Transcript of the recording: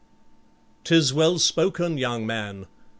"'Tis well spoken, young man.